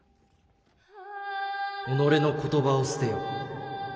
己の言葉を捨てよ。